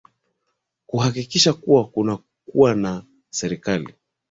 kuhakikisha kuwa kunakuwa na serikali